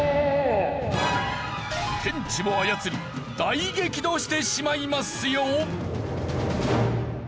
天地も操り大激怒してしまいますよ！